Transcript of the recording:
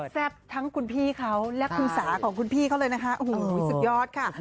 แซ่บทั้งคุณพี่เขาและคุณสาของคุณพี่เขาเลยนะคะโอ้โหสุดยอดค่ะ